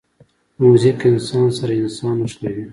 موزیک انسان سره انسان نښلوي.